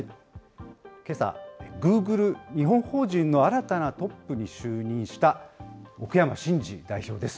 けさ、グーグル日本法人の新たなトップに就任した、奥山真司代表です。